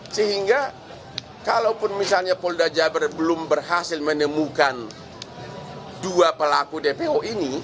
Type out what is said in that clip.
sehingga kalaupun misalnya polda jabar belum berhasil menemukan dua pelaku dpo ini